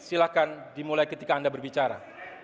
silahkan dimulai ketika anda berbicara